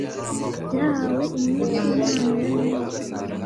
Byahawe imwe kumpano ya Noheri